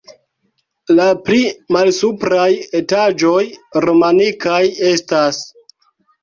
La pli malsupraj etaĝoj romanikaj estas.